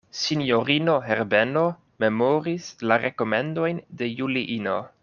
Sinjorino Herbeno memoris la rekomendojn de Juliino.